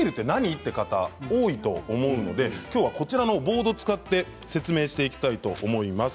って方多いと思うのできょうはこちらのボード使って説明していきたいと思います。